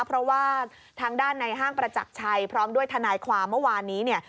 เพราะว่าทางด้านในห้างประจักรชัยพร้อมด้วยทนายความเมื่อวานนี้เนี่ย